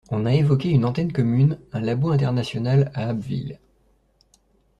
on a évoqué une antenne commune, un labo international, à Abbeville